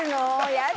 やだ